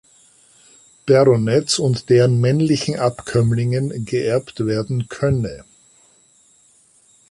Baronets und deren männlichen Abkömmlingen geerbt werden könne.